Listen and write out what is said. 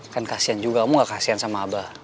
kan kasihan juga kamu ga kasihan sama abah